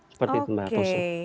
seperti itu mbak fosun